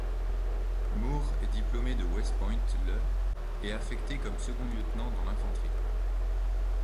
Moore est diplômé de West Point le et affecté comme second-lieutenant dans l'infanterie.